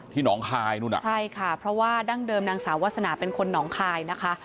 หนองคายนู่นอ่ะใช่ค่ะเพราะว่าดั้งเดิมนางสาววาสนาเป็นคนหนองคายนะคะ